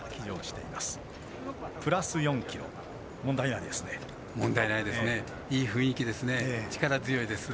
いい雰囲気ですね。